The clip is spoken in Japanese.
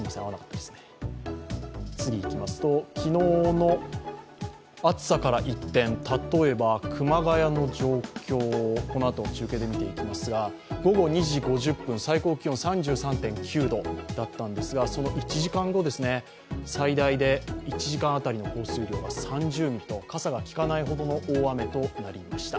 昨日の暑さから一転、例えば熊谷の状況、このあと中継で見ていきますが、午後２時５０分、最高気温３３．９度だったんですがその１時間後最大で１時間当たりの降水量が３０ミリと、傘がきかないほどの大雨になりました。